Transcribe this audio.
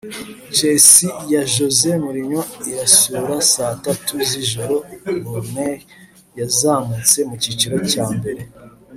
Chelsea ya Jose Mourinho irasura saa tatu z’ijoro Burnley yazamutse mu cyiciro cya mbere